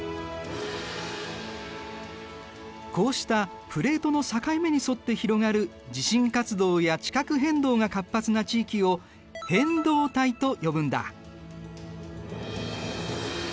こうしたプレートの境目に沿って広がる地震活動や地殻変動が活発な地域を変動帯と呼ぶんだ。